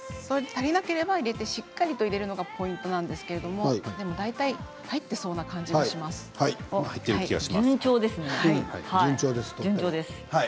足りなければ入れてしっかりと入れるのがポイントなんですけれどでも、大体、入ってそうな入ってそうです。